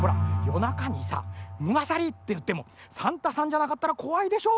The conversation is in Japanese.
なかにさ「むがさり」っていってもサンタさんじゃなかったらこわいでしょ。